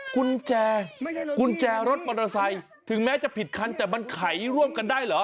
กุญแจกุญแจรถมอเตอร์ไซค์ถึงแม้จะผิดคันแต่มันไขร่วมกันได้เหรอ